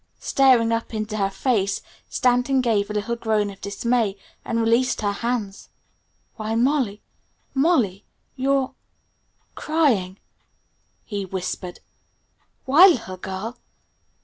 Staring up into her face, Stanton gave a little groan of dismay, and released her hands. "Why, Molly! Molly! You're crying," he whispered. "Why, little girl!